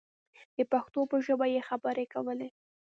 د پښتو په ژبه یې خبرې کولې.